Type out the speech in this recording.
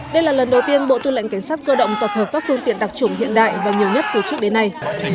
đây là lần đầu tiên bộ tư lệnh cảnh sát cơ động tập hợp các phương tiện đặc trùng hiện đại và nhiều nhất từ trước đến nay